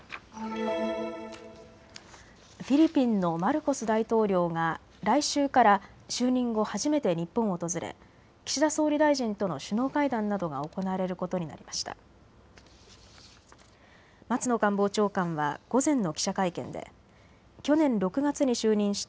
フィリピンのマルコス大統領が来週から就任後初めて日本を訪れ岸田総理大臣との首脳会談などが行われることになりました。